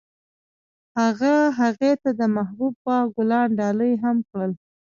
هغه هغې ته د محبوب باغ ګلان ډالۍ هم کړل.